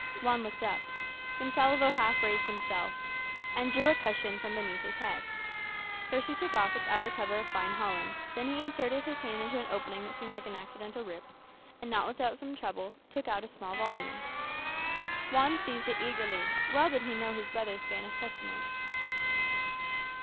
Juan looked up. Gonsalvo half raised himself, and drew a cushion from beneath his head. First he took off its outer cover of fine holland; then he inserted his hand into an opening that seemed like an accidental rip, and, not without some trouble, drew out a small volume. Juan seized it eagerly: well did he know his brother's Spanish Testament.